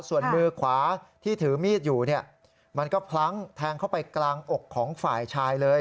ส่วนมือขวาที่ถือมีดอยู่เนี่ยมันก็พลั้งแทงเข้าไปกลางอกของฝ่ายชายเลย